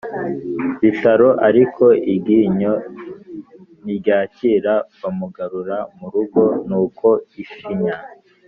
bitaro, ariko iryinyo ntiryakira, bamugarura mu rugo. Nuko ishinya